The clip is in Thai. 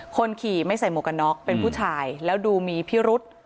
คนขี่ไม่ใส่หมวกกันน็อกเป็นผู้ชายแล้วดูมีพิรุษ